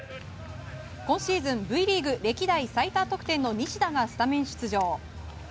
今シーズンＶリーグ歴代最多得点の西田がスタメン出場。